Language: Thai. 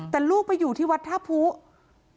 แต่ลูกไปอยู่ที่วัฒนภูการ